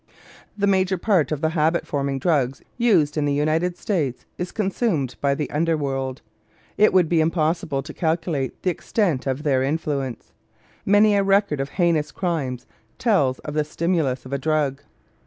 The major part of the habit forming drugs used in the United States is consumed by the under world. It would be impossible to calculate the extent of their influence. Many a record of heinous crime tells of the stimulus of a drug.